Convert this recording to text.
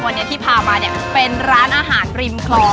วันนี้ที่พามาเนี่ยเป็นร้านอาหารริมคลอง